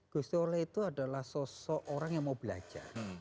gus solah itu adalah sosok orang yang mau belajar